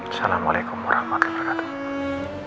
assalamualaikum warahmatullahi wabarakatuh